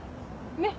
ねっ？